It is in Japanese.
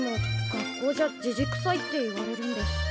学校じゃじじくさいって言われるんです。